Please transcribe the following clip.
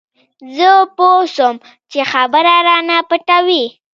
زه پوه سوم چې خبره رانه پټوي.